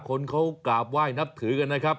คนเขากราบไหว้นับถือกันนะครับ